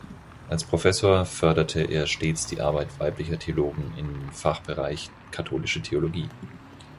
Als Professor förderte er stets die Arbeit weiblicher Theologen im Fachbereich Katholische Theologie.